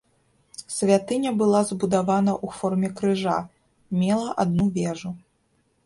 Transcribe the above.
Святыня была збудавана ў форме крыжа, мела адну вежу.